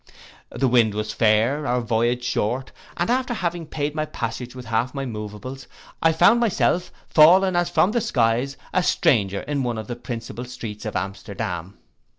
The wind was fair, our voyage short, and after having paid my passage with half my moveables, I found myself, fallen as from the skies, a stranger in one of the principal streets of Amsterdam.